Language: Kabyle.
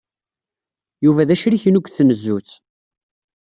Yuba d acrik-inu deg tnezzut.